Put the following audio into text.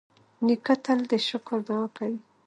نیکه تل د شکر دعا کوي.